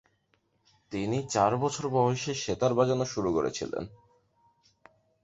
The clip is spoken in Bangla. তিনি চার বছর বয়স থেকে সেতার বাজানো শুরু করেছিলেন।